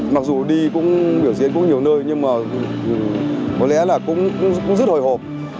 mặc dù đi cũng biểu diễn cũng nhiều nơi nhưng mà có lẽ là cũng rất hồi hộp